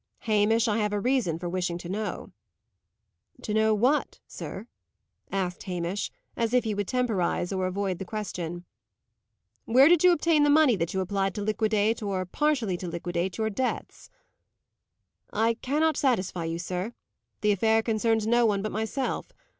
"Hamish, I have a reason for wishing to know." "To know what, sir?" asked Hamish, as if he would temporize, or avoid the question. "Where did you obtain the money that you applied to liquidate, or partially to liquidate, your debts?" "I cannot satisfy you, sir. The affair concerns no one but myself.